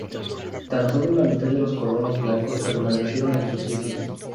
Tan sólo la mitad de los colones blancos permanecieron en sus sitios.